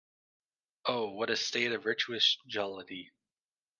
Oh, what a state of virtuous jollity!